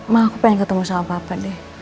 mah aku pengen ketemu sama papa deh